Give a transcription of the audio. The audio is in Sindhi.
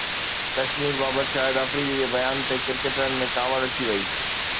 ڪشمير بابت شاهد آفريدي جي بيان تي ڪرڪيٽرن ۾ ڪاوڙ اچي وئي